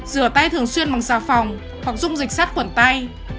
rửa tay thường xuyên bằng xà phòng hoặc dung dịch sát khuẩn tay